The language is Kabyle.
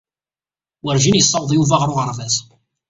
Werjin yessaweḍ Yuba ɣer uɣerbaz.